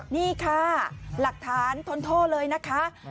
นี่ค่ะหลักฐานทนโทษเลยนะคะ